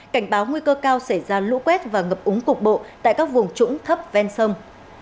cảnh báo nguy cơ cao xảy ra lũ quét và ngập úng cục bộ tại các vùng trũng thấp ven sông